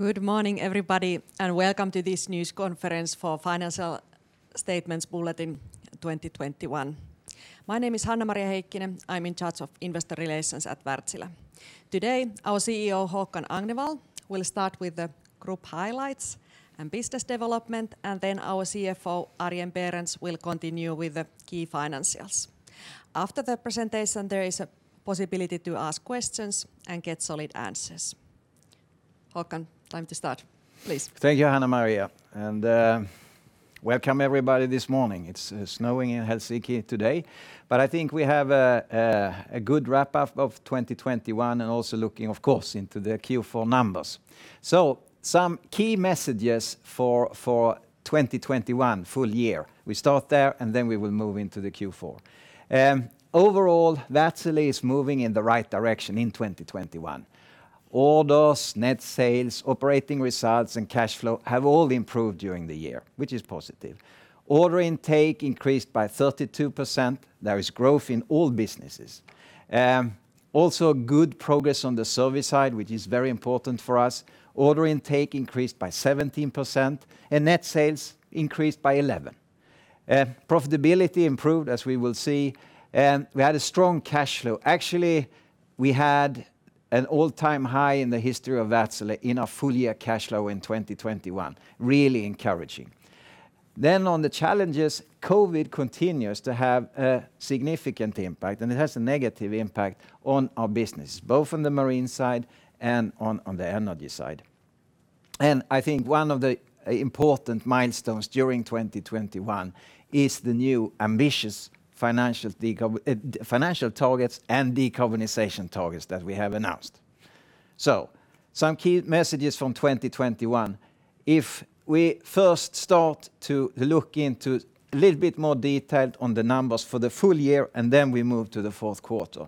Good morning, everybody, and welcome to this news conference for financial statements bulletin 2021. My name is Hanna-Maria Heikkinen. I'm in charge of investor relations at Wärtsilä. Today, our CEO, Håkan Agnevall, will start with the group highlights and business development, and then our CFO, Arjen Berends, will continue with the key financials. After the presentation, there is a possibility to ask questions and get solid answers. Håkan, time to start, please. Thank you, Hanna-Maria, and welcome everybody this morning. It's snowing in Helsinki today, but I think we have a good wrap-up of 2021 and also looking, of course, into the Q4 numbers. Some key messages for 2021 full year. We start there, and then we will move into the Q4. Overall, Wärtsilä is moving in the right direction in 2021. Orders, net sales, operating results, and cash flow have all improved during the year, which is positive. Order intake increased by 32%. There is growth in all businesses. Also good progress on the service side, which is very important for us. Order intake increased by 17%, and net sales increased by 11%. Profitability improved, as we will see, and we had a strong cash flow. Actually, we had an all-time high in the history of Wärtsilä in our full-year cash flow in 2021. Really encouraging. On the challenges, COVID continues to have a significant impact, and it has a negative impact on our business, both on the marine side and on the energy side. I think one of the important milestones during 2021 is the new ambitious financial targets and decarbonization targets that we have announced. Some key messages from 2021. If we first start to look into a little bit more detail on the numbers for the full year, and then we move to the fourth quarter.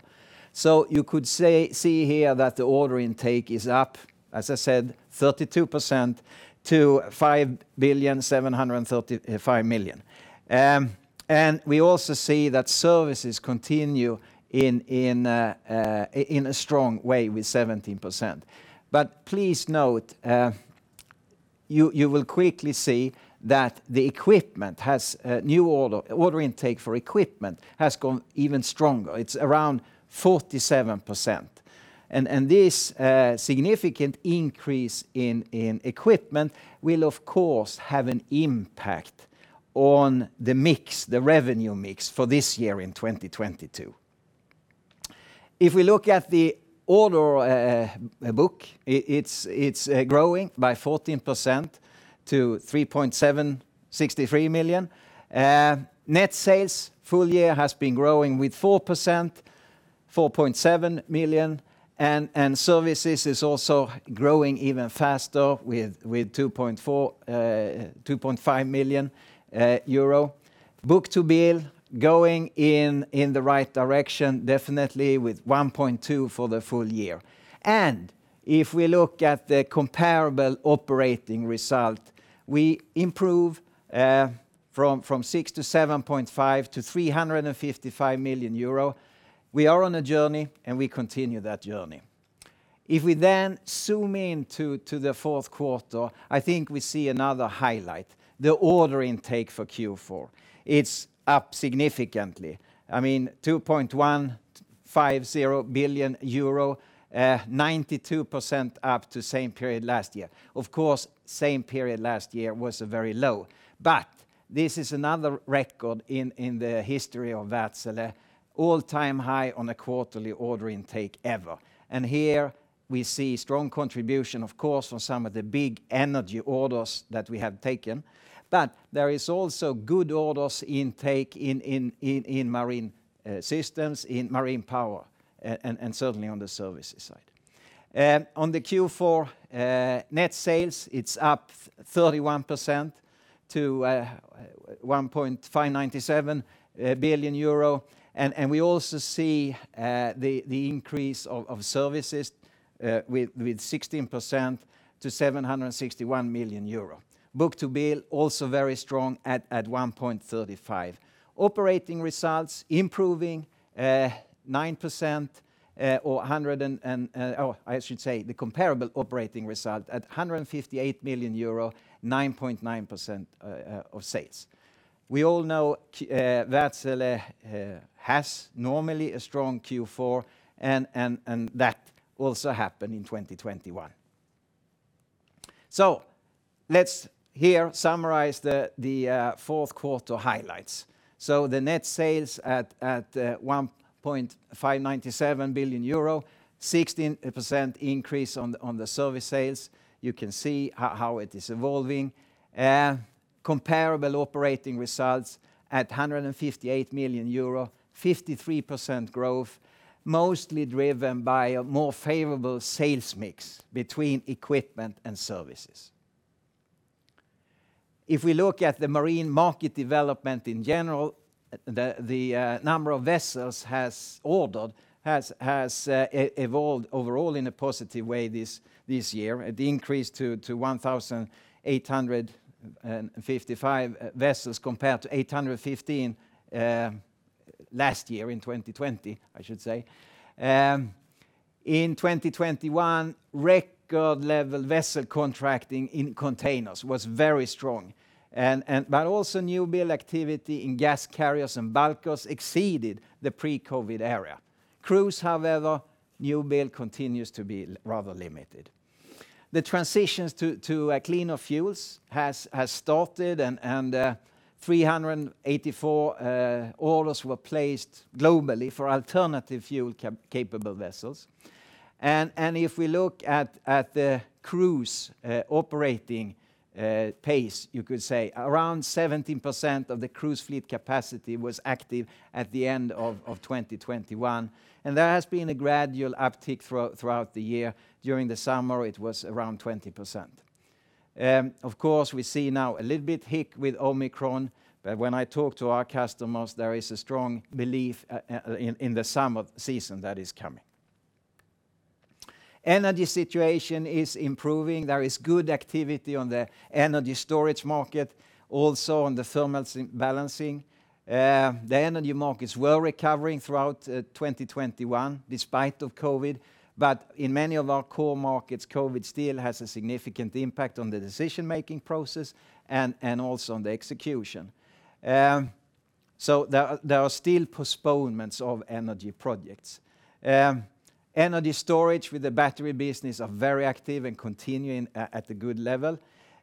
You could see here that the order intake is up, as I said, 32% to 5,735 million. We also see that services continue in a strong way with 17%. Please note, you will quickly see that the equipment order intake has gone even stronger. It's around 47%. This significant increase in equipment will, of course, have an impact on the mix, the revenue mix for this year in 2022. If we look at the order book, it's growing by 14% to 3,763 million. Net sales full year has been growing with 4%, 4.7 billion, and services is also growing even faster with 2.4 billion-2.5 billion euro. Book-to-bill going in the right direction, definitely with 1.2 for the full year. If we look at the comparable operating result, we improve from 6% to 7.5% to 355 million euro. We are on a journey, and we continue that journey. If we then zoom into the fourth quarter, I think we see another highlight, the order intake for Q4. It's up significantly. I mean, 2.150 billion euro, 92% up from the same period last year. Of course, same period last year was very low. This is another record in the history of Wärtsilä, all-time high on a quarterly order intake ever. Here we see strong contribution, of course, from some of the big energy orders that we have taken. There is also good order intake in Marine Systems, in Marine Power, and certainly on the Services side. In Q4, net sales are up 31% to 1.597 billion euro. We also see the increase of services with 16% to 761 million euro. Book-to-bill also very strong at 1.35. Operating results improving 9% or I should say the comparable operating result at 158 million euro, 9.9% of sales. We all know Wärtsilä has normally a strong Q4, that also happened in 2021. Let's summarize the fourth quarter highlights. The net sales at 1.597 billion euro, 16% increase on the service sales. You can see how it is evolving. Comparable operating results at 158 million euro, 53% growth, mostly driven by a more favorable sales mix between equipment and services. If we look at the marine market development in general, the number of vessels ordered has evolved overall in a positive way this year. It increased to 1,855 vessels compared to 815 last year, in 2020, I should say. In 2021, record-level vessel contracting in containers was very strong but also new build activity in gas carriers and bulkers exceeded the pre-COVID era. Cruise, however, new build continues to be rather limited. The transitions to cleaner fuels has started and 384 orders were placed globally for alternative fuel capable vessels. If we look at the cruise operating pace, you could say around 17% of the cruise fleet capacity was active at the end of 2021, and there has been a gradual uptick throughout the year. During the summer, it was around 20%. Of course, we see now a little bit of a hiccup with Omicron, but when I talk to our customers, there is a strong belief in the summer season that is coming. Energy situation is improving. There is good activity on the energy storage market, also on the thermal balancing. The energy markets were recovering throughout 2021 despite of COVID, but in many of our core markets, COVID still has a significant impact on the decision-making process and also on the execution. There are still postponements of energy projects. Energy storage with the battery business are very active and continuing at a good level.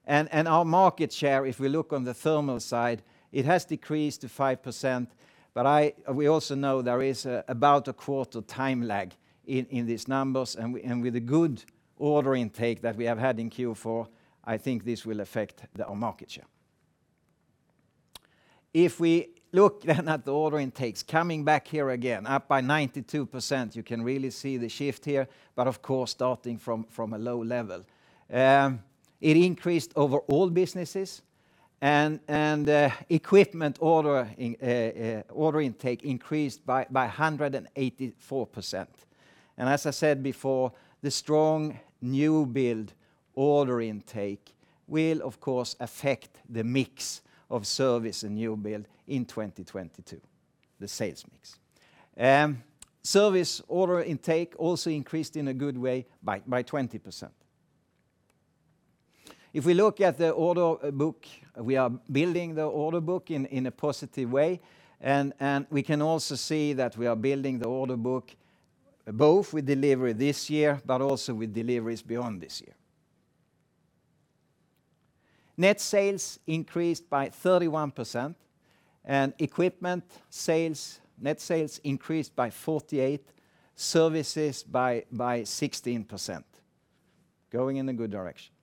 Our market share, if we look on the thermal side, it has decreased to 5%, but we also know there is about a quarter time lag in these numbers, and with the good order intake that we have had in Q4, I think this will affect our market share. If we look at the order intakes, coming back here again, up by 92%, you can really see the shift here, but of course, starting from a low level. It increased over all businesses and equipment order intake increased by 184%. As I said before, the strong new build order intake will, of course, affect the mix of service and new build in 2022, the sales mix. Service order intake also increased in a good way by 20%. If we look at the order book, we are building the order book in a positive way, and we can also see that we are building the order book both with delivery this year, but also with deliveries beyond this year. Net sales increased by 31%, and equipment sales, net sales increased by 48%, services by 16%. Going in a good direction.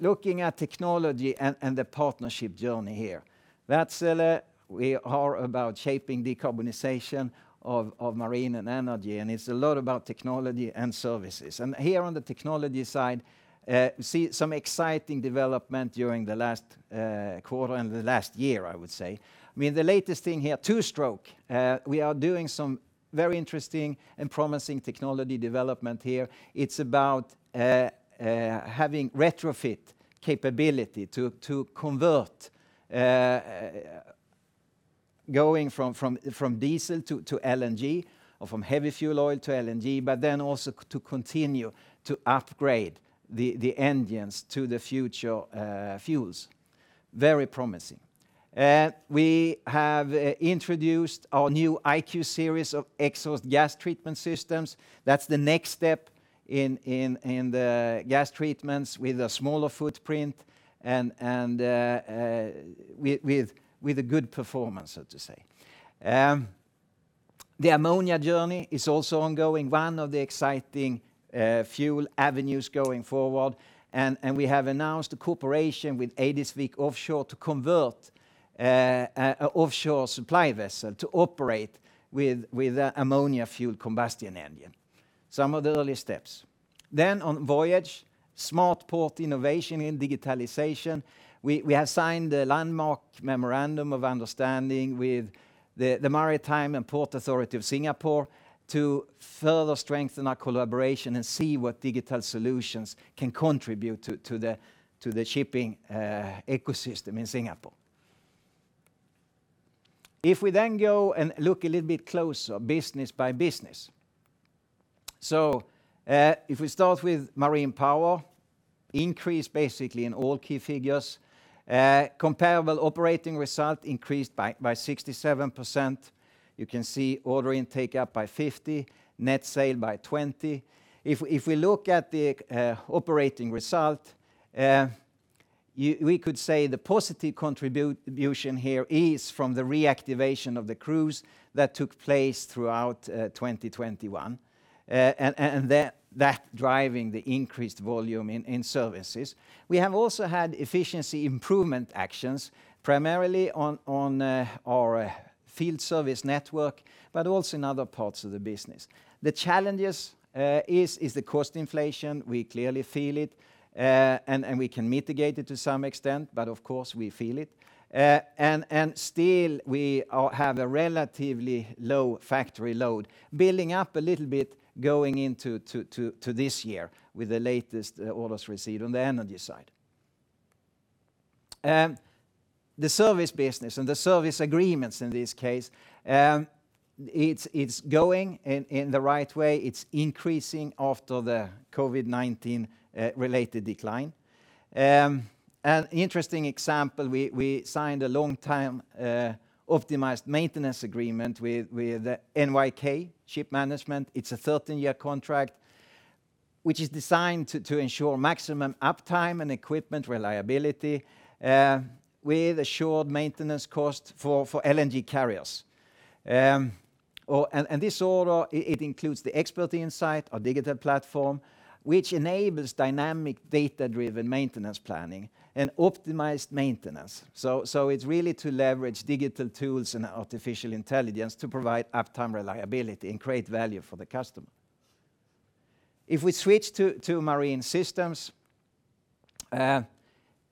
Looking at technology and the partnership journey here. Wärtsilä, we are about shaping decarbonization of marine and energy, and it's a lot about technology and services. Here on the technology side, we see some exciting development during the last quarter and the last year, I would say. I mean, the latest thing here, two-stroke. We are doing some very interesting and promising technology development here. It's about having retrofit capability to convert, going from diesel to LNG or from heavy fuel oil to LNG, but then also to continue to upgrade the engines to the future fuels. Very promising. We have introduced our new IQ Series of exhaust gas treatment systems. That's the next step in the gas treatments with a smaller footprint and with a good performance, so to say. The ammonia journey is also ongoing, one of the exciting fuel avenues going forward, and we have announced a cooperation with Eidesvik Offshore to convert a offshore supply vessel to operate with a ammonia fuel combustion engine. Some of the early steps. On Voyage, smart port innovation in digitalization, we have signed a landmark memorandum of understanding with the Maritime and Port Authority of Singapore to further strengthen our collaboration and see what digital solutions can contribute to the shipping ecosystem in Singapore. If we then go and look a little bit closer, business by business. If we start with Marine Power, increase basically in all key figures. Comparable operating result increased by 67%. You can see order intake up by 50%, net sales by 20%. If we look at the operating result, we could say the positive contribution here is from the reactivation of the cruise that took place throughout 2021, and that driving the increased volume in services. We have also had efficiency improvement actions, primarily on our field service network, but also in other parts of the business. The challenges is the cost inflation. We clearly feel it, and we can mitigate it to some extent, but of course, we feel it. And still have a relatively low factory load, building up a little bit going into this year with the latest orders received on the energy side. The service business and the service agreements in this case, it's going in the right way. It's increasing after the COVID-19 related decline. An interesting example, we signed a long-term optimized maintenance agreement with NYK Shipmanagement. It's a 13-year contract which is designed to ensure maximum uptime and equipment reliability with assured maintenance cost for LNG carriers. This order includes the Expert Insight, our digital platform, which enables dynamic data-driven maintenance planning and optimized maintenance. It's really to leverage digital tools and artificial intelligence to provide uptime reliability and create value for the customer. If we switch to Marine Systems,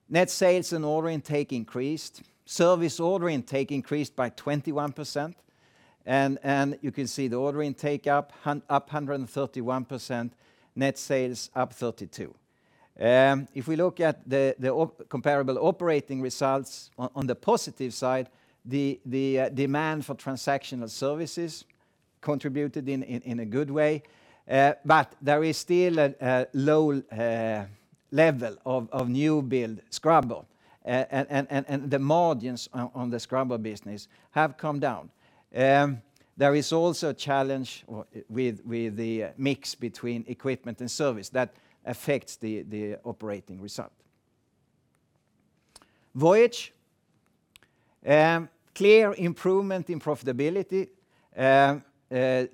net sales and order intake increased. Service order intake increased by 21%, and you can see the order intake up 131%, net sales up 32%. If we look at the comparable operating results on the positive side, the demand for transactional services contributed in a good way, but there is still a low level of new build scrubber, and the margins on the scrubber business have come down. There is also a challenge with the mix between equipment and service that affects the operating result. Voyage clear improvement in profitability,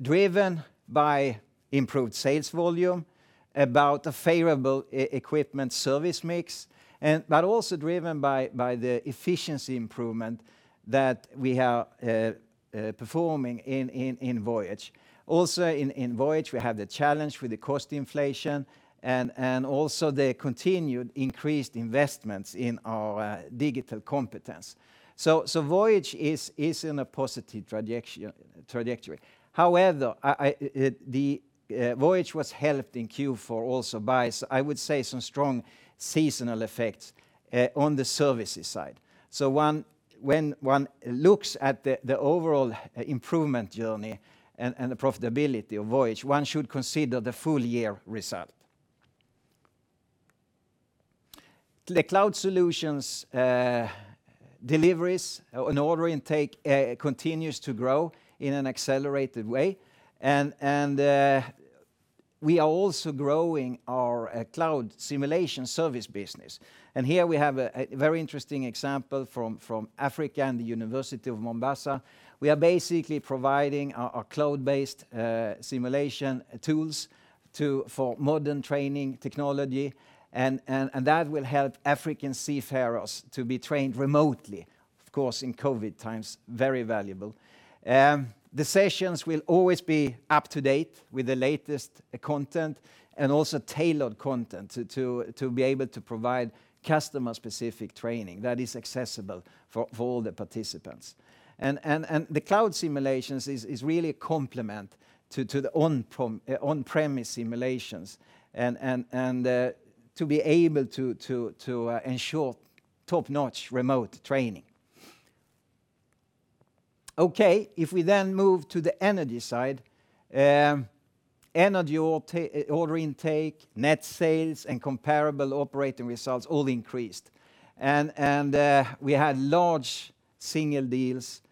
driven by improved sales volume and the favorable equipment service mix, but also driven by the efficiency improvement that we are performing in Voyage. Also in Voyage, we have the challenge with the cost inflation and also the continued increased investments in our digital competence. Voyage is in a positive trajectory. However, Voyage was helped in Q4 also by I would say some strong seasonal effects on the services side. When one looks at the overall improvement journey and the profitability of Voyage, one should consider the full year result. The cloud solutions deliveries or an order intake continues to grow in an accelerated way and we are also growing our Cloud Simulation Service business. Here we have a very interesting example from Africa and the Technical University of Mombasa. We are basically providing our cloud-based simulation tools for maritime training technology and that will help African seafarers to be trained remotely, of course, in COVID times, very valuable. The sessions will always be up to date with the latest content and also tailored content to be able to provide customer-specific training that is accessible for all the participants. The cloud simulations is really a complement to the on-premises simulations and to be able to ensure top-notch remote training. Okay, if we then move to the energy side, energy order intake, net sales, and comparable operating results all increased. We had large single deals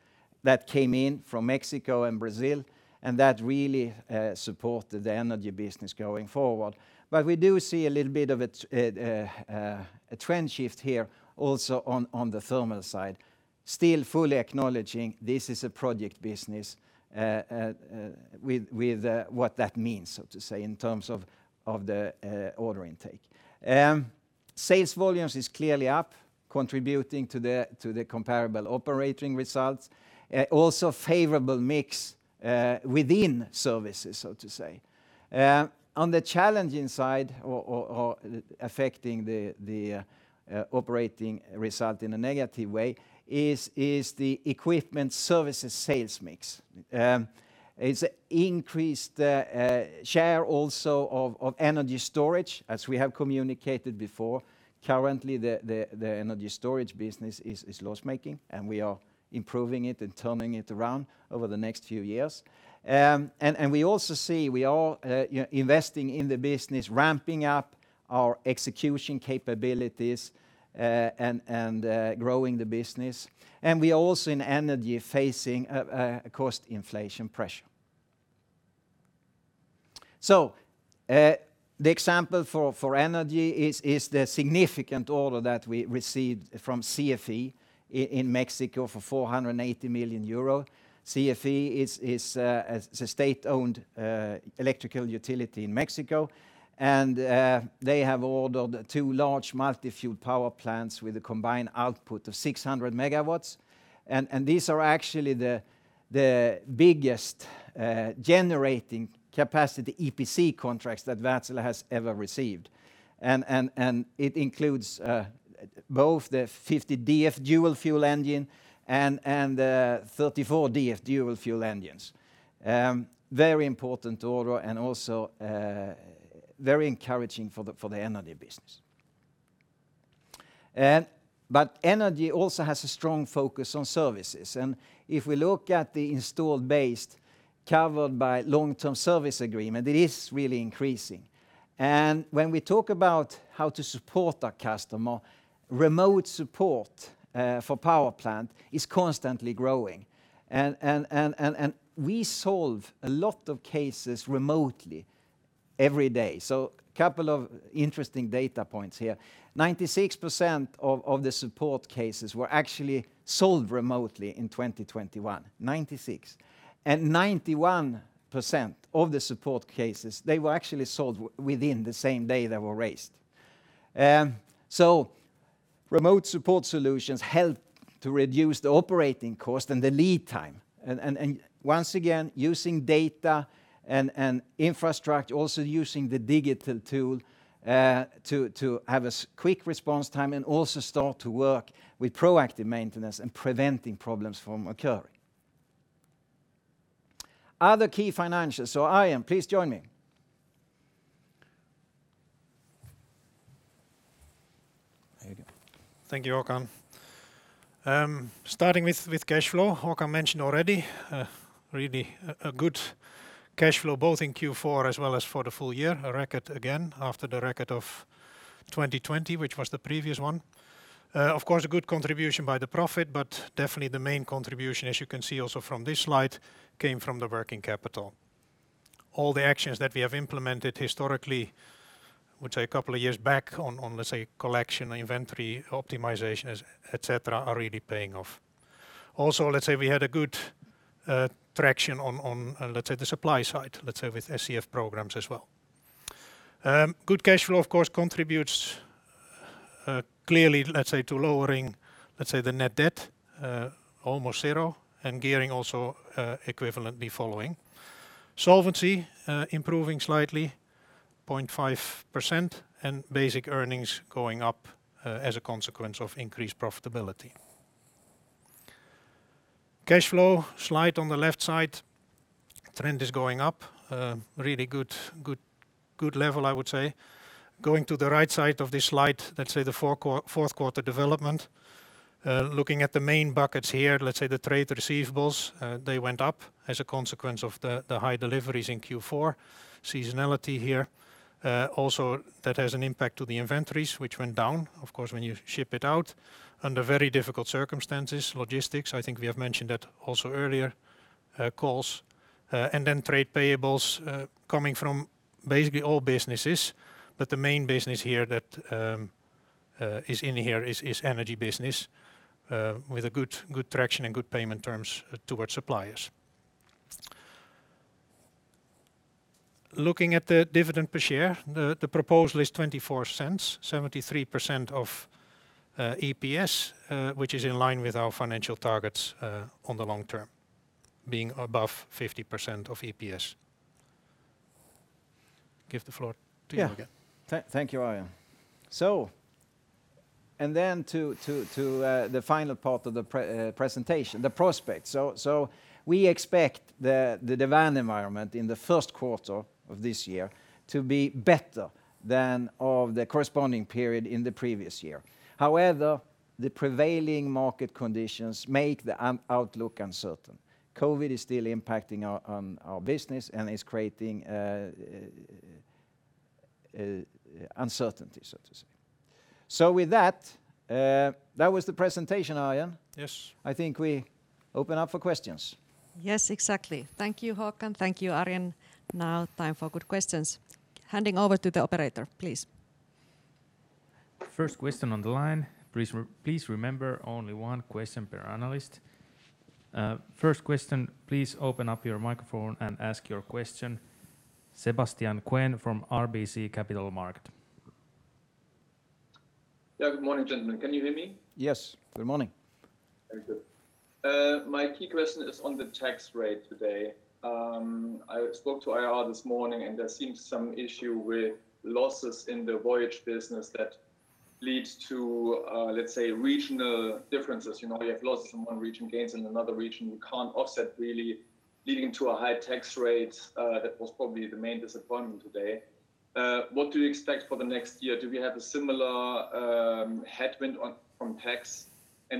that came in from Mexico and Brazil, and that really supported the energy business going forward. We do see a little bit of a trend shift here also on the thermal side, still fully acknowledging this is a project business with what that means, so to say, in terms of the order intake. Sales volumes is clearly up, contributing to the comparable operating results. Also favorable mix within services, so to say. On the challenging side or affecting the operating result in a negative way is the equipment services sales mix. It's increased share also of energy storage, as we have communicated before. Currently, the energy storage business is loss-making, and we are improving it and turning it around over the next few years. We also see we are, you know, investing in the business, ramping up our execution capabilities, and growing the business. We are also in energy facing cost inflation pressure. The example for energy is the significant order that we received from CFE in Mexico for 480 million euro. CFE is a state-owned electrical utility in Mexico, and they have ordered two large multi-fuel power plants with a combined output of 600 MW. These are actually the biggest generating capacity EPC contracts that Wärtsilä has ever received. It includes both the 50DF dual fuel engine and 34DF dual fuel engines. Very important order and also very encouraging for the Energy business. Energy also has a strong focus on services, and if we look at the installed base covered by long-term service agreement, it is really increasing. When we talk about how to support our customer, remote support for power plant is constantly growing and we solve a lot of cases remotely every day. Couple of interesting data points here. 96% of the support cases were actually solved remotely in 2021, 96%. 91% of the support cases, they were actually solved within the same day they were raised. Remote support solutions help to reduce the operating cost and the lead time and once again, using data and infrastructure, also using the digital tool, to have a quick response time and also start to work with proactive maintenance and preventing problems from occurring. Other key financials. Arjen, please join me. There you go. Thank you, Håkan. Starting with cash flow, Håkan mentioned already really a good cash flow both in Q4 as well as for the full year. A record again after the record of 2020, which was the previous one. Of course, a good contribution by the profit, but definitely the main contribution, as you can see also from this slide, came from the working capital. All the actions that we have implemented historically, which are a couple of years back on collection, inventory optimization, et cetera, are really paying off. Also, let's say we had a good traction on the supply side, let's say with SCF programs as well. Good cash flow of course contributes clearly, let's say, to lowering the net debt almost zero, and gearing also equivalently following. Solvency improving slightly 0.5%, and basic earnings going up as a consequence of increased profitability. Cash flow slide on the left side, trend is going up. Really good level, I would say. Going to the right side of this slide, let's say the fourth quarter development. Looking at the main buckets here, let's say the trade receivables, they went up as a consequence of the high deliveries in Q4. Seasonality here. Also that has an impact to the inventories, which went down, of course, when you ship it out under very difficult circumstances, logistics, I think we have mentioned that also earlier calls. Trade payables coming from basically all businesses, but the main business here that is in here is Energy business with a good traction and good payment terms towards suppliers. Looking at the dividend per share, the proposal is $0.24, 73% of EPS, which is in line with our financial targets on the long term, being above 50% of EPS. Give the floor to you again. Thank you, Arjen. Then to the final part of the presentation, the prospects. We expect the demand environment in the first quarter of this year to be better than of the corresponding period in the previous year. However, the prevailing market conditions make the outlook uncertain. COVID is still impacting our business and is creating uncertainty, so to say. With that was the presentation, Arjen. Yes. I think we open up for questions. Yes, exactly. Thank you, Håkan. Thank you, Arjen. Now it's time for good questions. Handing over to the operator, please. First question on the line. Please remember only one question per analyst. First question, please open up your microphone and ask your question. Sebastian Kuenne from RBC Capital Markets. Yeah, good morning, gentlemen. Can you hear me? Yes. Good morning. Very good. My key question is on the tax rate today. I spoke to IR this morning, and there seems some issue with losses in the Voyage business that leads to, let's say regional differences. You know, we have losses in one region, gains in another region we can't offset really, leading to a high tax rate. That was probably the main disappointment today. What do you expect for the next year? Do we have a similar headwind on, from tax?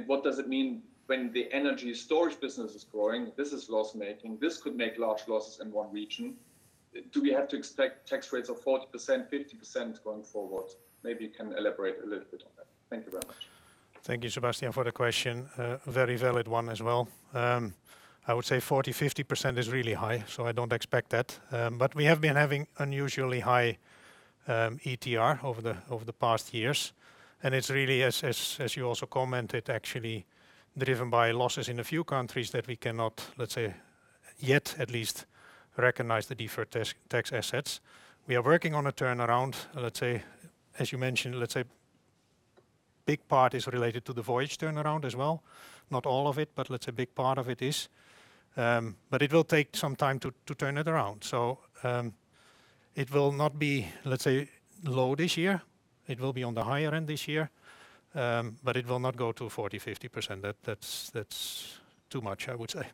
What does it mean when the Energy Storage business is growing? This is loss-making. This could make large losses in one region. Do we have to expect tax rates of 40%, 50% going forward? Maybe you can elaborate a little bit on that. Thank you very much. Thank you, Sebastian, for the question. A very valid one as well. I would say 40%-50% is really high, so I don't expect that. We have been having unusually high ETR over the past years, and it's really as you also commented, actually driven by losses in a few countries that we cannot, let's say, yet at least recognize the deferred tax assets. We are working on a turnaround, let's say, as you mentioned, let's say big part is related to the Voyage turnaround as well. Not all of it, but let's say big part of it is. It will take some time to turn it around. It will not be, let's say, low this year. It will be on the higher end this year, but it will not go to 40%-50%. That's too much, I would say.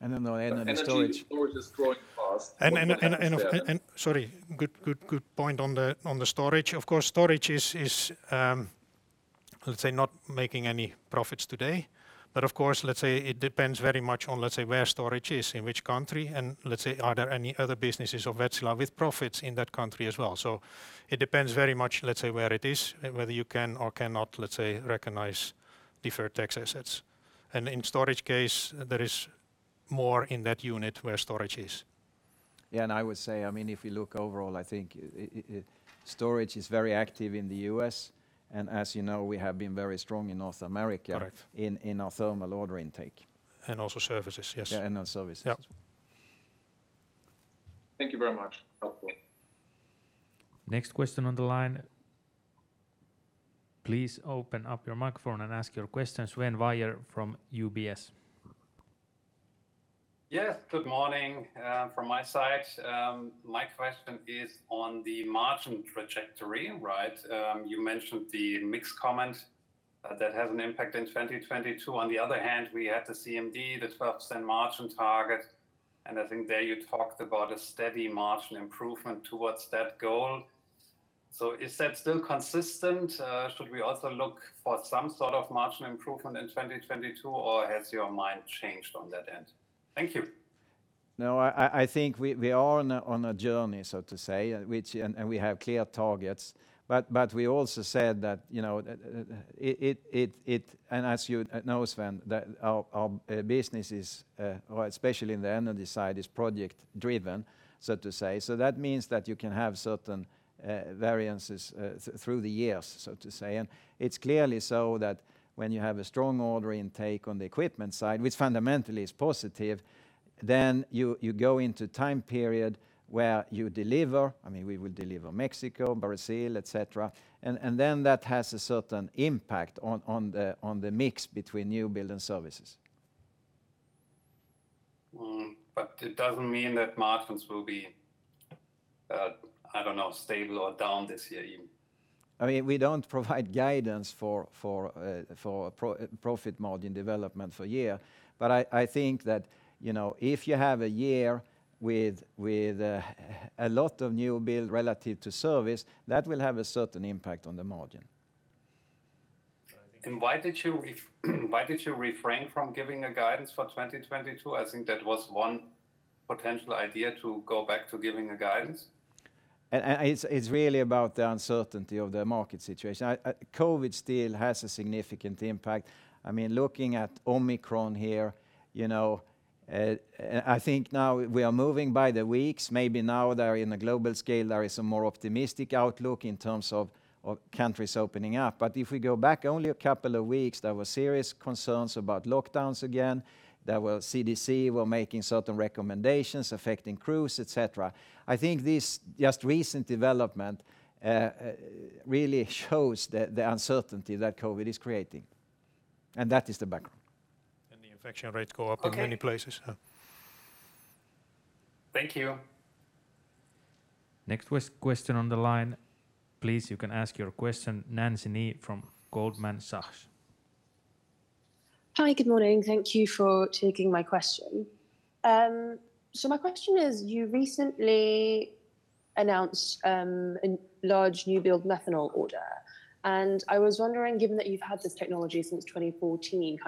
the storage The energy storage is growing fast. Sorry, good point on the storage. Of course, storage is let's say not making any profits today. Of course, it depends very much on let's say where storage is, in which country, and let's say are there any other businesses of Wärtsilä with profits in that country as well? It depends very much, let's say, where it is whether you can or cannot, let's say, recognize deferred tax assets. In storage case, there is more in that unit where storage is. Yeah, I would say, I mean, if you look overall, I think storage is very active in the U.S., and as you know, we have been very strong in North America. Correct in our thermal order intake. also services, yes. Yeah, also services. Yeah. Thank you very much. Helpful. Next question on the line. Please open up your microphone and ask your questions. Sven Weier from UBS. Yes. Good morning, from my side. My question is on the margin trajectory, right? You mentioned the mixed comment, that has an impact in 2022. On the other hand, we had the CMD, the 12% margin target, and I think there you talked about a steady margin improvement towards that goal. Is that still consistent? Should we also look for some sort of margin improvement in 2022, or has your mind changed on that end? Thank you. No, I think we are on a journey, so to say, which we have clear targets. We also said that, you know, it and as you know, Sven, that our business is, well, especially in the energy side, is project-driven, so to say. That means that you can have certain variances through the years, so to say. It's clearly so that when you have a strong order intake on the equipment side, which fundamentally is positive, then you go into time period where you deliver, I mean, we will deliver Mexico, Brazil, et cetera. Then that has a certain impact on the mix between new build and services. It doesn't mean that margins will be, I don't know, stable or down this year even? I mean, we don't provide guidance for a gross profit margin development for the year. I think that, you know, if you have a year with a lot of new build relative to service, that will have a certain impact on the margin. Why did you refrain from giving a guidance for 2022? I think that was one potential idea to go back to giving a guidance. It's really about the uncertainty of the market situation. COVID still has a significant impact. I mean, looking at Omicron here, you know, I think now we are moving by the weeks. Maybe now there, in a global scale, there is a more optimistic outlook in terms of of countries opening up. But if we go back only a couple of weeks, there were serious concerns about lockdowns again. The CDC was making certain recommendations affecting crews, et cetera. I think this just recent development really shows the uncertainty that COVID is creating, and that is the background. The infection rates go up. Okay in many places, yeah. Thank you. Next question on the line. Please, you can ask your question. Daniela Costa from Goldman Sachs. Hi. Good morning. Thank you for taking my question. So my question is, you recently announced a large new-build methanol order, and I was wondering, given that you've had this technology since 2014,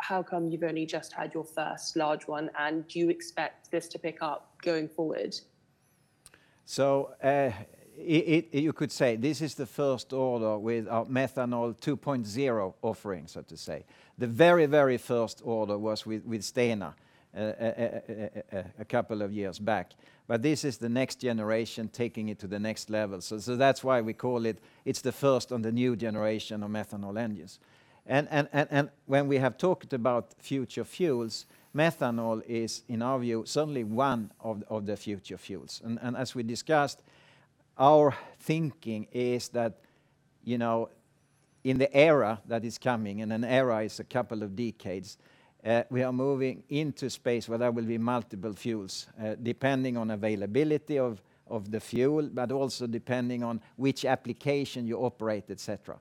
how come you've only just had your first large one, and do you expect this to pick up going forward? It you could say this is the first order with our methanol 2.0 offering, so to say. The very first order was with Stena a couple of years back. This is the next generation taking it to the next level. That's why we call it's the first on the new generation of methanol engines. And when we have talked about future fuels, methanol is, in our view, certainly one of the future fuels. And as we discussed, our thinking is that, you know, in the era that is coming, and an era is a couple of decades, we are moving into space where there will be multiple fuels, depending on availability of the fuel, but also depending on which application you operate, et cetera.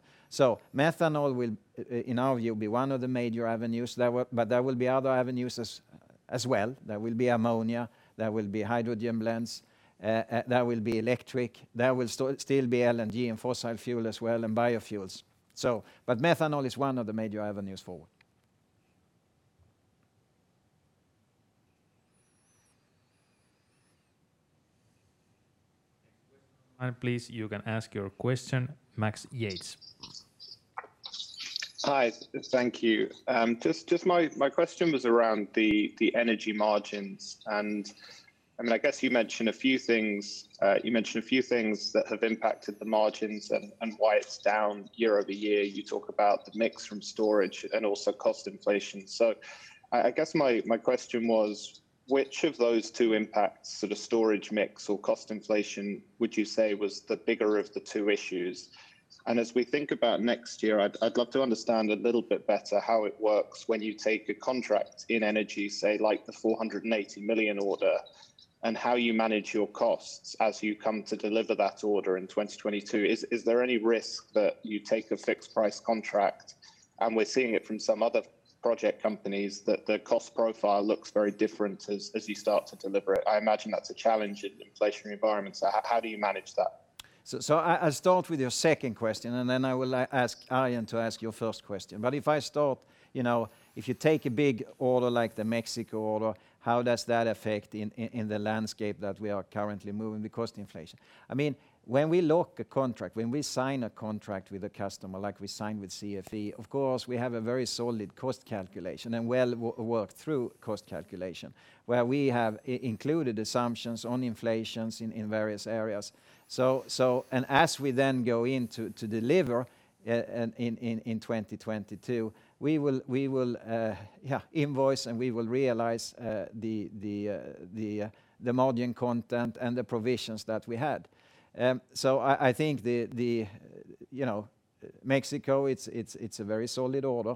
Methanol will, in our view, be one of the major avenues there, but there will be other avenues as well. There will be ammonia, there will be hydrogen blends, there will be electric, there will still be LNG and fossil fuel as well, and biofuels. Methanol is one of the major avenues forward. You can ask your question. Max Yates. Hi. Thank you. Just my question was around the energy margins. I mean, I guess you mentioned a few things that have impacted the margins and why it's down year-over-year. You talk about the mix from storage and also cost inflation. I guess my question was which of those two impacts, so the storage mix or cost inflation, would you say was the bigger of the two issues? As we think about next year, I'd love to understand a little bit better how it works when you take a contract in energy, say like the 480 million order. How you manage your costs as you come to deliver that order in 2022. Is there any risk that you take a fixed price contract, and we're seeing it from some other project companies that the cost profile looks very different as you start to deliver it? I imagine that's a challenge in inflationary environments. How do you manage that? I start with your second question, and then I will ask Arjen to address your first question. If you take a big order like the Mexico order, how does that affect in the landscape that we are currently moving because the inflation? I mean, when we lock a contract, when we sign a contract with a customer, like we signed with CFE, of course, we have a very solid cost calculation and well worked through cost calculation, where we have included assumptions on inflation in various areas. As we then go in to deliver in 2022, we will invoice, and we will realize the margin content and the provisions that we had. I think the you know Mexico it's a very solid order.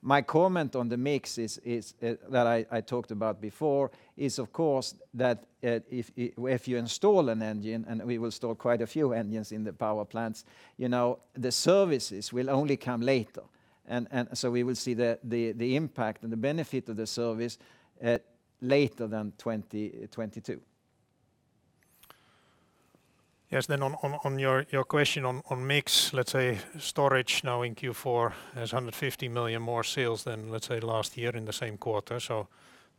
My comment on the mix is that I talked about before is of course that if you install an engine and we will store quite a few engines in the power plants you know the services will only come later. We will see the impact and the benefit of the service later than 2022. Yes. On your question on mix, let's say storage now in Q4 has 150 million more sales than, let's say, last year in the same quarter.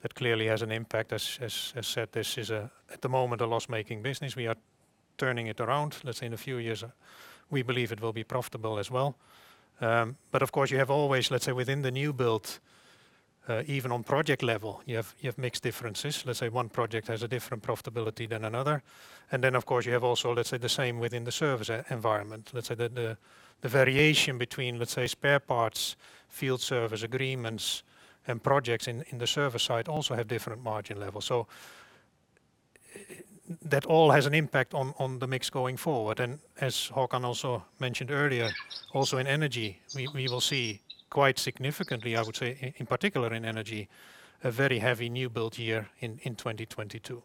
That clearly has an impact. As said, this is at the moment a loss-making business. We are turning it around. Let's say in a few years, we believe it will be profitable as well. Of course, you have always, let's say, within the new build, even on project level, you have mix differences. Let's say one project has a different profitability than another. Of course, you have also, let's say the same within the service environment. Let's say that the variation between, let's say, spare parts, field service agreements, and projects in the service side also have different margin levels. That all has an impact on the mix going forward. As Håkan also mentioned earlier, also in Energy, we will see quite significantly, I would say in particular in Energy, a very heavy new build year in 2022.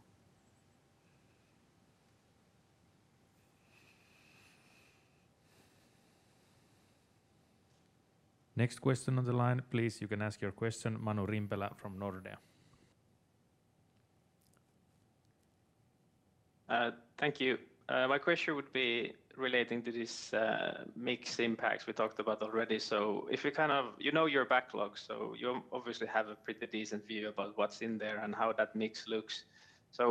Next question on the line, please. You can ask your question, Manu Rimpelä from Nordea. Thank you. My question would be relating to this mix impacts we talked about already. If you kind of you know your backlog, so you obviously have a pretty decent view about what's in there and how that mix looks. I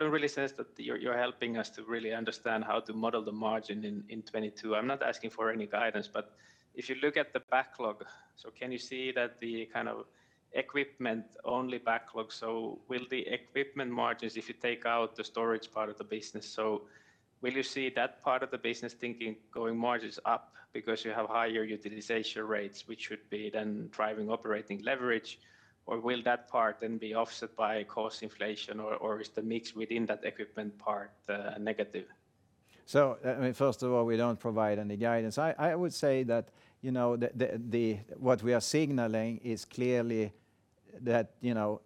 don't really sense that you're helping us to really understand how to model the margin in 2022. I'm not asking for any guidance, but if you look at the backlog, can you see that the kind of equipment-only backlog will the equipment margins if you take out the storage part of the business. Will you see that part of the business thinking going margins up because you have higher utilization rates, which should be then driving operating leverage, or will that part then be offset by cost inflation, or is the mix within that equipment part negative? I mean, first of all, we don't provide any guidance. I would say that, you know, what we are signaling is clearly that, you know,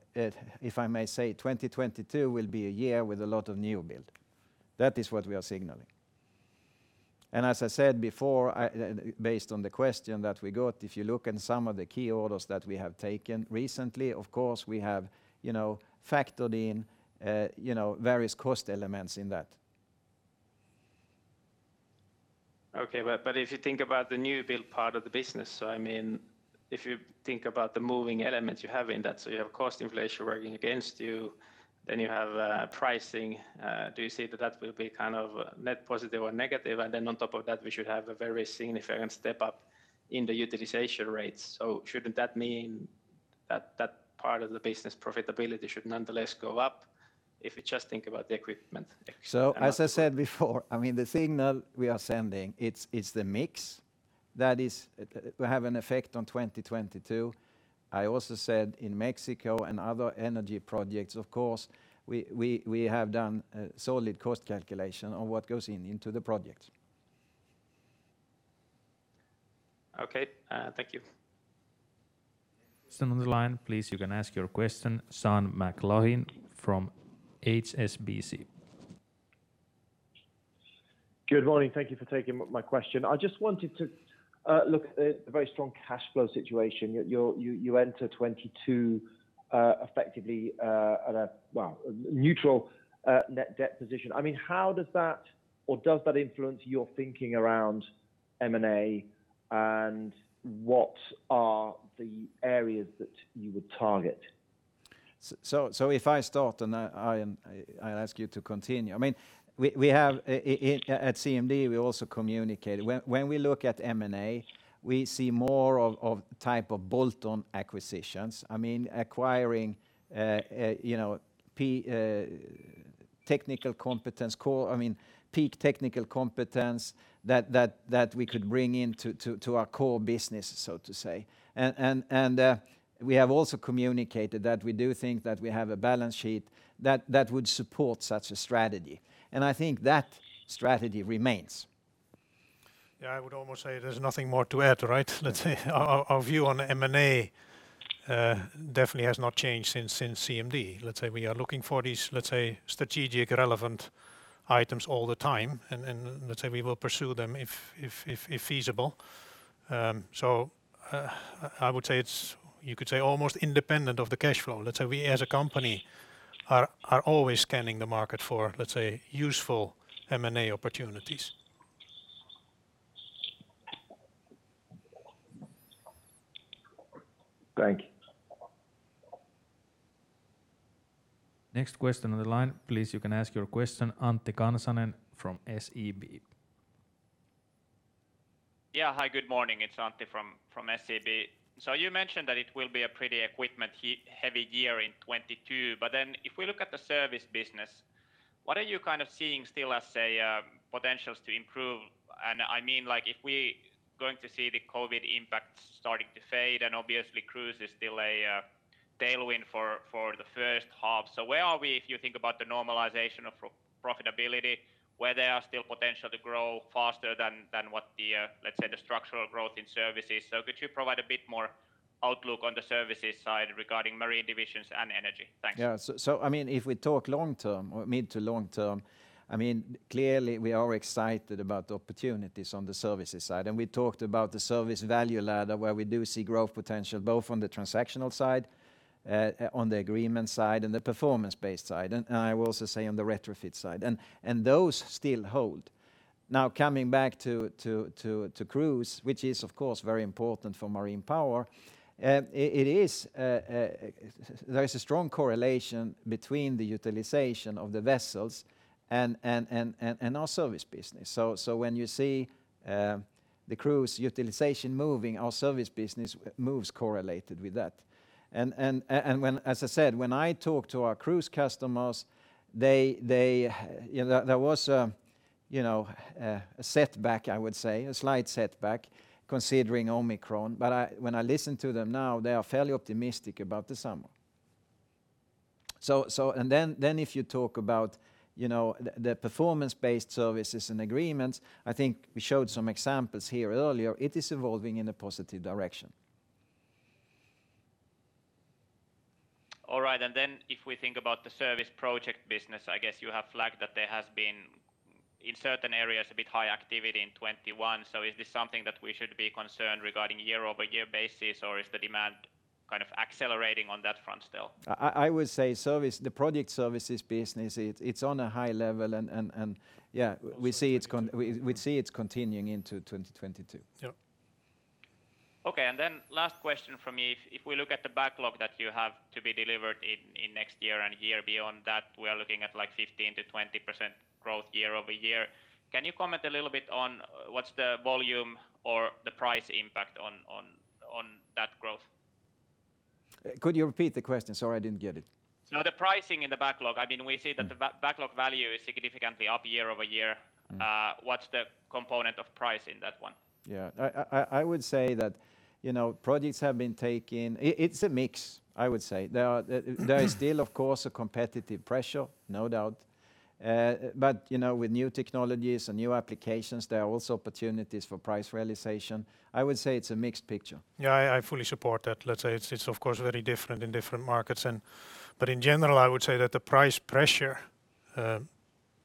if I may say 2022 will be a year with a lot of new build. That is what we are signaling. As I said before, based on the question that we got, if you look at some of the key orders that we have taken recently, of course, we have, you know, factored in, you know, various cost elements in that. If you think about the new build part of the business, I mean, if you think about the moving elements you have in that, you have cost inflation working against you, then you have pricing. Do you see that that will be kind of net positive or negative? Then on top of that, we should have a very significant step up in the utilization rates. Shouldn't that mean that part of the business profitability should nonetheless go up if you just think about the equipment? As I said before, I mean, the signal we are sending, it's the mix that is will have an effect on 2022. I also said in Mexico and other energy projects, of course, we have done a solid cost calculation on what goes in, into the project. Okay, thank you. Next on the line, please. You can ask your question, Sean McLoughlin from HSBC. Good morning. Thank you for taking my question. I just wanted to look at the very strong cash flow situation. You enter 2022 effectively at a well neutral net debt position. I mean, how does that or does that influence your thinking around M&A, and what are the areas that you would target? If I start, I'll ask you to continue. I mean, we have at CMD also communicated. When we look at M&A, we see more of type of bolt-on acquisitions. I mean, acquiring you know technical competence core, I mean, peak technical competence that we could bring into our core business, so to say. We have also communicated that we do think that we have a balance sheet that would support such a strategy. I think that strategy remains Yeah, I would almost say there's nothing more to add, right? Let's say our view on M&A definitely has not changed since CMD. Let's say we are looking for these strategically relevant items all the time and let's say we will pursue them if feasible. So, I would say it's, you could say, almost independent of the cash flow. Let's say we as a company are always scanning the market for useful M&A opportunities. Thank you. Next question on the line. Please, you can ask your question. Antti Kansanen from SEB. Yeah. Hi, good morning. It's Antti from SEB. You mentioned that it will be a pretty equipment heavy year in 2022, but then if we look at the service business, what are you kind of seeing still as a potentials to improve? I mean like if we going to see the COVID impact starting to fade, and obviously cruise is still a tailwind for the first half. Where are we if you think about the normalization of profitability, where there are still potential to grow faster than what the let's say the structural growth in service is? Could you provide a bit more outlook on the services side regarding marine divisions and energy? Thanks. I mean, if we talk long-term or mid to long-term, I mean, clearly we are excited about the opportunities on the services side. We talked about the service value ladder, where we do see growth potential both on the transactional side, on the agreement side, and the performance-based side, and I will also say on the retrofit side. Those still hold. Now, coming back to cruise, which is of course very important for Marine Power. There is a strong correlation between the utilization of the vessels and our service business. When you see the cruise utilization moving, our service business moves correlated with that. When. As I said, when I talk to our cruise customers, they, you know, there was, you know, a setback, I would say, a slight setback considering Omicron. When I listen to them now, they are fairly optimistic about the summer. If you talk about, you know, the performance-based services and agreements, I think we showed some examples here earlier. It is evolving in a positive direction. All right. If we think about the service project business, I guess you have flagged that there has been, in certain areas, a bit high activity in 2021. Is this something that we should be concerned regarding year-over-year basis, or is the demand kind of accelerating on that front still? I would say service, the project services business, it's on a high level and yeah, we see it's continuing into 2022. Yep. Okay. Last question from me. If we look at the backlog that you have to be delivered in next year and year beyond that, we are looking at, like, 15%-20% growth year-over-year. Can you comment a little bit on what's the volume or the price impact on that growth? Could you repeat the question? Sorry, I didn't get it. The pricing in the backlog, I mean, we see that the backlog value is significantly up year over year. Mm. What's the component of price in that one? Yeah. I would say that, you know, projects have been taking. It's a mix, I would say. There is still of course a competitive pressure, no doubt. But, you know, with new technologies and new applications, there are also opportunities for price realization. I would say it's a mixed picture. Yeah, I fully support that. Let's say it's of course very different in different markets. In general, I would say that the price pressure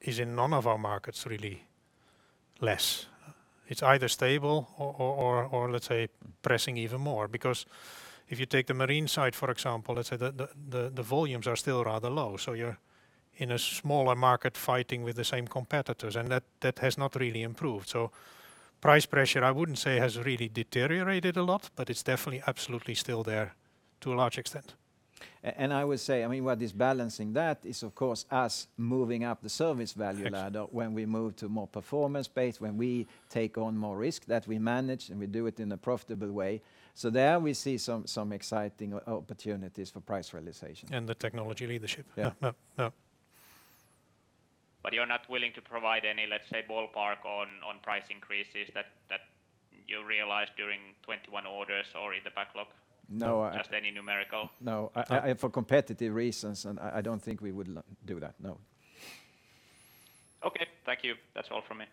is in none of our markets really less. It's either stable or let's say pressing even more. Because if you take the marine side, for example, let's say the volumes are still rather low, so you're in a smaller market fighting with the same competitors, and that has not really improved. Price pressure, I wouldn't say has really deteriorated a lot, but it's definitely absolutely still there to a large extent. I would say, I mean, what is balancing that is of course us moving up the service value ladder. Exactly When we move to more performance-based, when we take on more risk that we manage, and we do it in a profitable way. There we see some exciting opportunities for price realization. The technology leadership. Yeah. Yeah. Yeah. You're not willing to provide any, let's say, ballpark on price increases that you realized during 2021 orders or in the backlog? No, I- Just any numerical No. For competitive reasons, and I don't think we would do that, no. Okay. Thank you. That's all from me.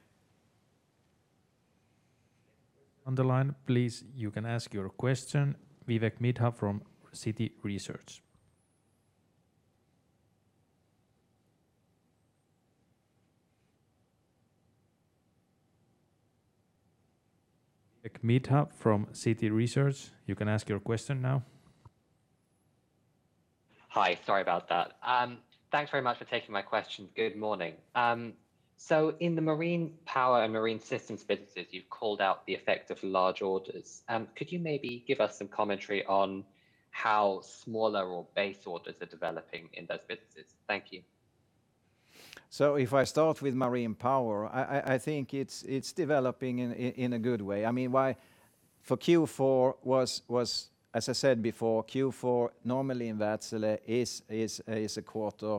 On the line please, you can ask your question. Vivek Midha from Citi Research. Vivek Midha from Citi Research, you can ask your question now. Hi. Sorry about that. Thanks very much for taking my question. Good morning. In the Marine Power and Marine Systems businesses, you've called out the effect of large orders. Could you maybe give us some commentary on how smaller or base orders are developing in those businesses? Thank you. If I start with Marine Power, I think it's developing in a good way. As I said before, Q4 normally in Wärtsilä is a quarter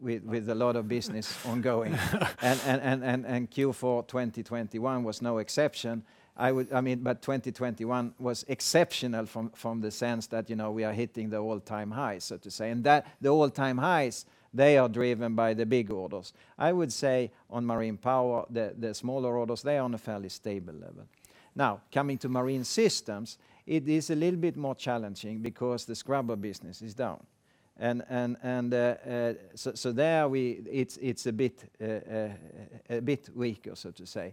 with a lot of business ongoing. Q4 2021 was no exception. I mean, 2021 was exceptional from the sense that, you know, we are hitting the all-time high, so to say. That, the all-time highs, they are driven by the big orders. I would say on Marine Power, the smaller orders, they are on a fairly stable level. Now, coming to Marine Systems, it is a little bit more challenging because the scrubber business is down. It's a bit weaker, so to say.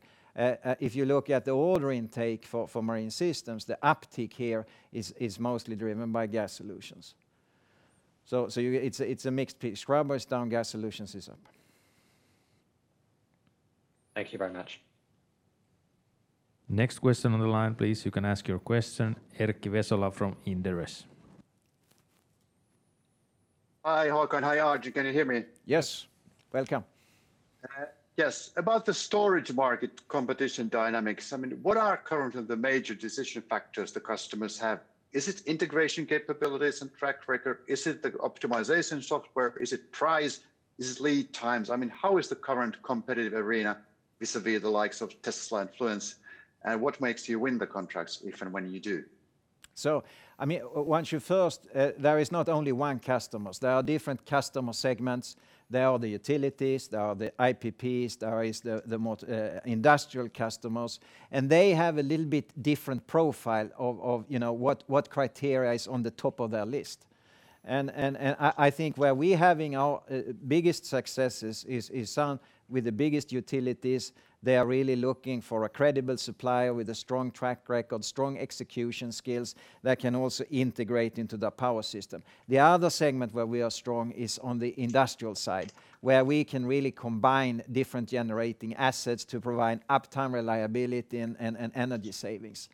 If you look at the order intake for Marine Systems, the uptick here is mostly driven by gas solutions. It's a mixed picture. Scrubbers is down, gas solutions is up. Thank you very much. Next question on the line, please. You can ask your question. Erkki Vesola from Inderes. Hi, Håkan. Hi, Arjen. Can you hear me? Yes. Welcome. Yes. About the storage market competition dynamics, I mean, what are currently the major decision factors the customers have? Is it integration capabilities and track record? Is it the optimization software? Is it price? Is it lead times? I mean, how is the current competitive arena vis-à-vis the likes of Tesla and Fluence, and what makes you win the contracts, if and when you do? I mean, there is not only one customer, there are different customer segments. There are the utilities, there are the IPPs, there is the industrial customers. They have a little bit different profile of, you know, what criteria is on the top of their list. I think where we're having our biggest successes is with the biggest utilities, they are really looking for a credible supplier with a strong track record, strong execution skills that can also integrate into their power system. The other segment where we are strong is on the industrial side, where we can really combine different generating assets to provide uptime, reliability, and energy savings.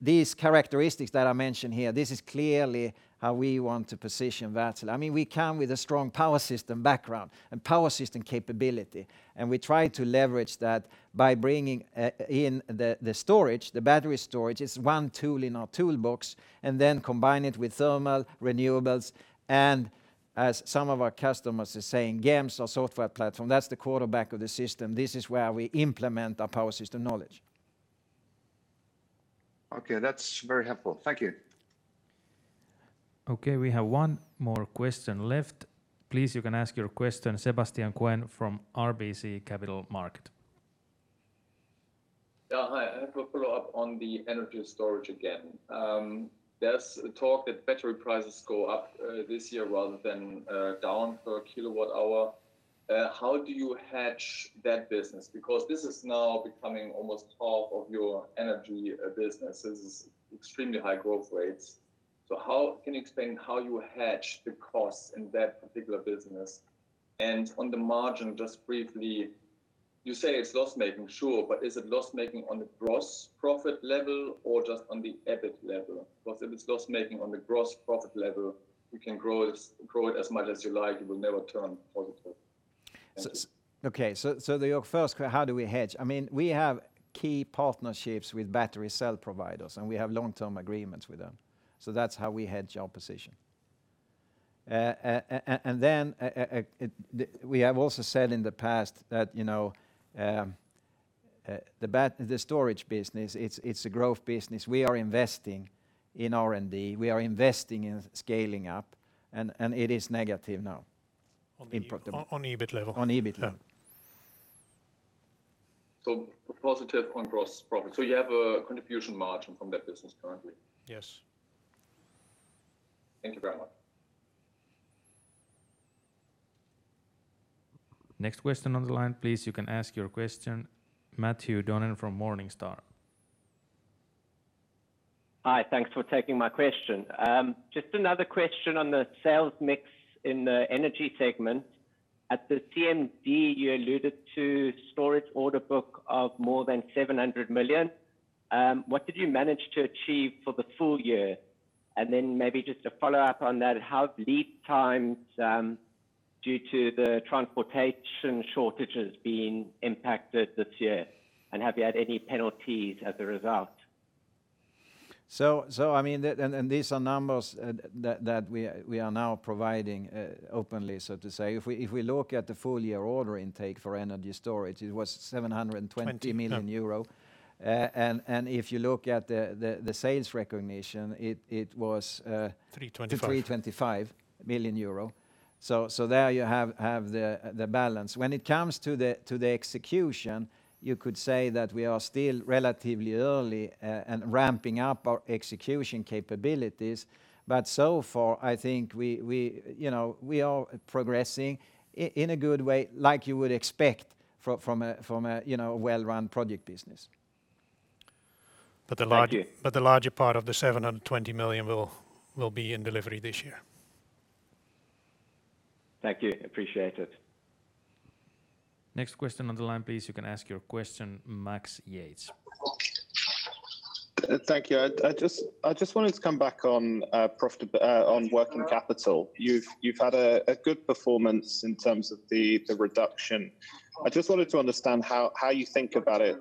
These characteristics that I mentioned here, this is clearly how we want to position Wärtsilä. I mean, we come with a strong power system background and power system capability, and we try to leverage that by bringing in the storage, the battery storage. It's one tool in our toolbox, and then combine it with thermal renewables and, as some of our customers are saying, GEMS, our software platform, that's the quarterback of the system. This is where we implement our power system knowledge. Okay. That's very helpful. Thank you. Okay. We have one more question left. Please, you can ask your question. Sebastian Kuenne from RBC Capital Markets. Yeah. Hi. I have a follow-up on the energy storage again. There's talk that battery prices go up this year rather than down per kilowatt hour. How do you hedge that business? Because this is now becoming almost half of your energy business. This is extremely high growth rates. Can you explain how you hedge the costs in that particular business? And on the margin, just briefly, you say it's loss-making, sure, but is it loss-making on the gross profit level or just on the EBIT level? Because if it's loss-making on the gross profit level, you can grow it as much as you like, it will never turn positive. Thank you. Okay. To your first question, how do we hedge? I mean, we have key partnerships with battery cell providers, and we have long-term agreements with them, so that's how we hedge our position. We have also said in the past that, you know, the storage business, it's a growth business. We are investing in R&D, we are investing in scaling up, and it is negative now, profitability. On EBIT On EBIT level. Yeah. Positive on gross profit. You have a contribution margin from that business currently? Yes. Thank you very much. Next question on the line, please. You can ask your question. Matthew Donen from Morningstar. Hi. Thanks for taking my question. Just another question on the sales mix in the energy segment. At the CMD, you alluded to storage order book of more than 700 million. What did you manage to achieve for the full year? Maybe just to follow up on that, have lead times, due to the transportation shortages been impacted this year, and have you had any penalties as a result? I mean, and these are numbers that we are now providing openly, so to say. If we look at the full-year order intake for energy storage, it was 720- 20. Yep million euros. If you look at the sales recognition, it was 3.25 325 million euro. There you have the balance. When it comes to the execution, you could say that we are still relatively early and ramping up our execution capabilities. So far, I think you know we are progressing in a good way, like you would expect from a you know well-run project business. Thank you. The larger part of the 720 million will be in delivery this year. Thank you. Appreciate it. Next question on the line, please. You can ask your question. Max Yates. Thank you. I just wanted to come back on working capital. You've had a good performance in terms of the reduction. I just wanted to understand how you think about it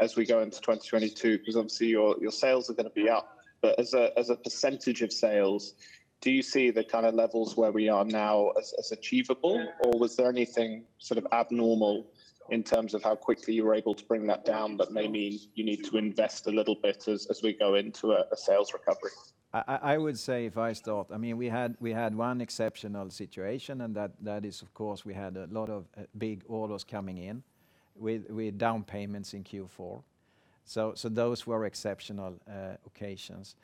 as we go into 2022, because obviously your sales are gonna be up. As a percentage of sales, do you see the kind of levels where we are now as achievable, or was there anything sort of abnormal in terms of how quickly you were able to bring that down that maybe you need to invest a little bit as we go into a sales recovery? I would say if I start, I mean, we had one exceptional situation, and that is of course we had a lot of big orders coming in with down payments in Q4. Those were exceptional occasions.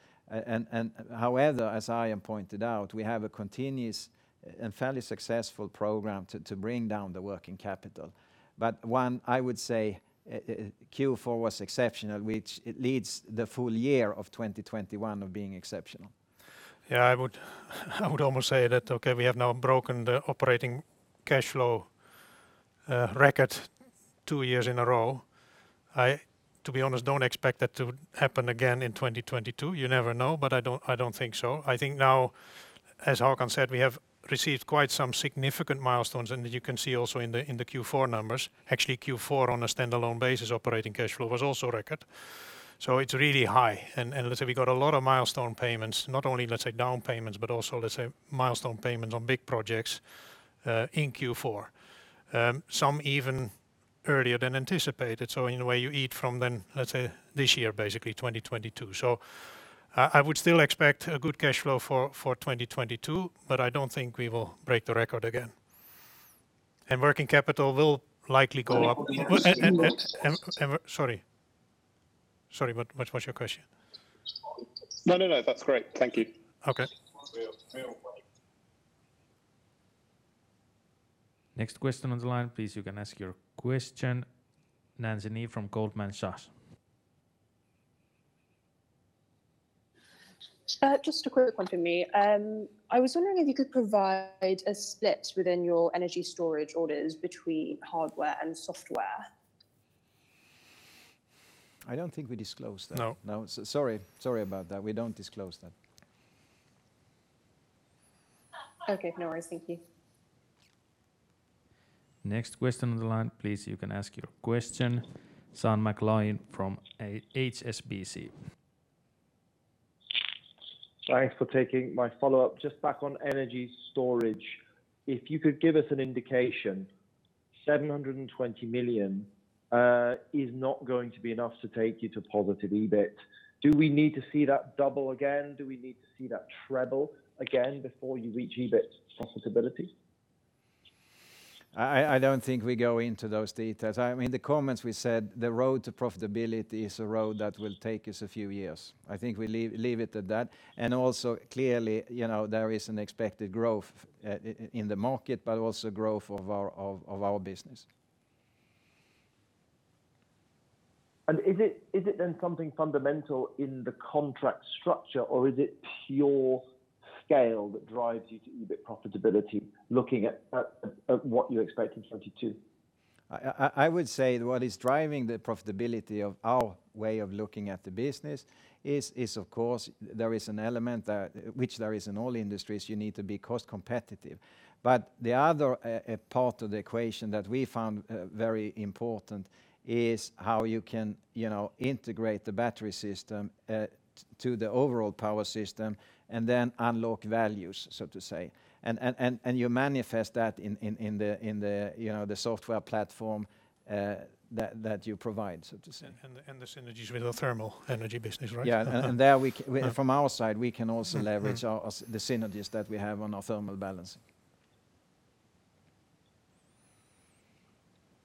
However, as Arjen pointed out, we have a continuous and fairly successful program to bring down the working capital. I would say Q4 was exceptional, which led the full year of 2021 to being exceptional. I would almost say that we have now broken the operating cash flow record two years in a row. To be honest, I don't expect that to happen again in 2022. You never know, but I don't think so. I think now, as Håkan said, we have received quite some significant milestones, and you can see also in the Q4 numbers. Actually, Q4 on a standalone basis, operating cash flow was also record. It's really high. Let's say we got a lot of milestone payments, not only down payments, but also milestone payments on big projects in Q4. Some even earlier than anticipated. In a way, you eat from then this year, basically 2022. I would still expect a good cash flow for 2022, but I don't think we will break the record again. Working capital will likely go up. Working capital. Sorry, what was your question? No, no, that's great. Thank you. Okay. Next question on the line, please. You can ask your question. Daniela Costa from Goldman Sachs. Just a quick one from me. I was wondering if you could provide a split within your energy storage orders between hardware and software. I don't think we disclose that. No. No, sorry about that. We don't disclose that. Okay. No worries. Thank you. Next question on the line, please. You can ask your question. Sean McLoughlin from HSBC. Thanks for taking my follow-up. Just back on energy storage. If you could give us an indication, 720 million is not going to be enough to take you to positive EBIT. Do we need to see that double again? Do we need to see that treble again before you reach EBIT profitability? I don't think we go into those details. I mean, the comments we said, the road to profitability is a road that will take us a few years. I think we leave it at that. Also, clearly, you know, there is an expected growth in the market, but also growth of our business. Is it then something fundamental in the contract structure, or is it pure scale that drives you to EBIT profitability, looking at what you expect in 2022? I would say what is driving the profitability of our way of looking at the business is of course there is an element which there is in all industries you need to be cost competitive. But the other part of the equation that we found very important is how you can you know integrate the battery system to the overall power system and then unlock values so to say. You manifest that in the you know the software platform that you provide so to say. The synergies with the thermal energy business, right? From our side, we can also leverage our, the synergies that we have on our thermal balancing.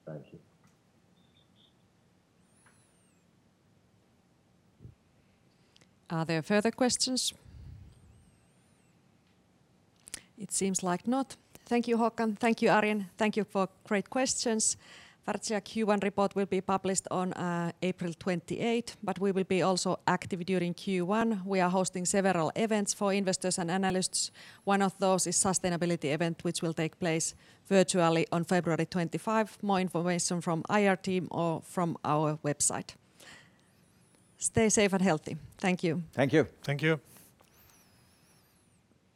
Thank you. Are there further questions? It seems like not. Thank you, Håkan. Thank you, Arjen. Thank you for great questions. Wärtsilä Q1 report will be published on April 28, but we will be also active during Q1. We are hosting several events for investors and analysts. One of those is sustainability event, which will take place virtually on February 25. More information from IR team or from our website. Stay safe and healthy. Thank you. Thank you. Thank you.